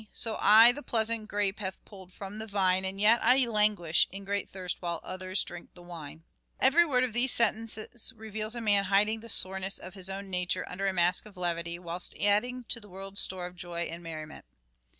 So I the pleasant grape have pulled from the vine, And yet I languish in great thirst while others drink the wine." 304 " SHAKESPEARE " IDENTIFIED Every word of these sentences reveals a man hiding the soreness of his own nature under a mask of levity whilst adding to the world's store of joy and merri ment.